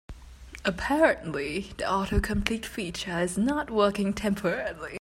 Apparently, the autocomplete feature is not working temporarily.